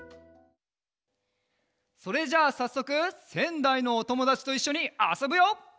それじゃあさっそくせんだいのおともだちといっしょにあそぶよ！